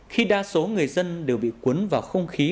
khi đa số người dân đều bị cuốn vào không khí